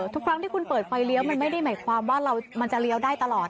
ทุกครั้งที่คุณเปิดไฟเลี้ยวมันไม่ได้หมายความว่ามันจะเลี้ยวได้ตลอด